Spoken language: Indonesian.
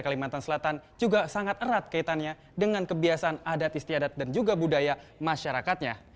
kalimantan selatan juga sangat erat kaitannya dengan kebiasaan adat istiadat dan juga budaya masyarakatnya